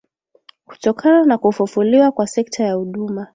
kutokana na kufufuliwa kwa sekta ya huduma